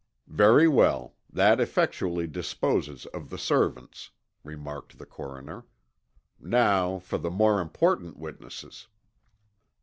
"Very well. That effectually disposes of the servants," remarked the coroner. "Now for the more important witnesses."